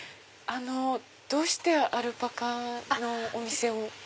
どうしてアルパカのお店を？